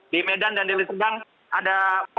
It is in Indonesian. di medan dan di lisegang ada empat puluh